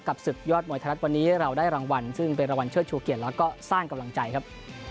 ศึกยอดมวยไทยรัฐวันนี้เราได้รางวัลซึ่งเป็นรางวัลเชิดชูเกียรติแล้วก็สร้างกำลังใจครับ